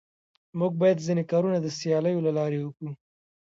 موږ بايد ځيني کارونه د سياليو له لاري وکو.